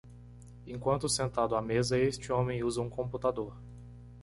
Enquanto sentado à mesa, este homem usa um computador.